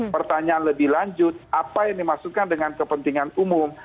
pertanyaan lebih lanjut apa yang dimaksudkan dengan kepentingan umum